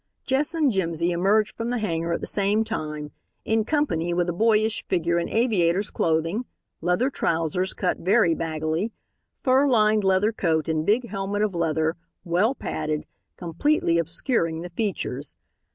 Jess and Jimsy emerged from the hangar at the same time, in company with a boyish figure in aviator's clothing, leather trousers cut very baggily, fur lined leather coat and big helmet of leather, well padded, completely obscuring the features.